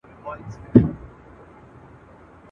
چی په ژوند کی مو لیدلي دي اورونه.